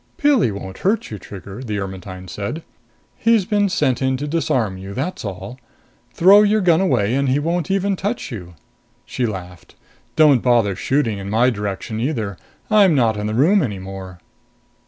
"Pilli won't hurt you, Trigger," the Ermetyne said. "He's been sent in to disarm you, that's all. Throw your gun away and he won't even touch you." She laughed. "Don't bother shooting in my direction either! I'm not in the room any more."